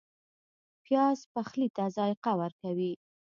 پیاز پخلی ته ذایقه ورکوي